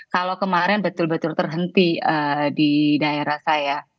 kalau kemarin betul betul terhenti di daerah saya